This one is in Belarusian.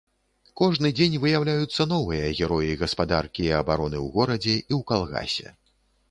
Кожны дзень выяўляюцца новыя героі гаспадаркі і абароны ў горадзе і ў калгасе.